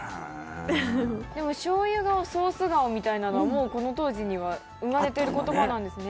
でも、しょうゆ顔ソース顔みたいなのはもうこの当時には生まれてる言葉なんですね。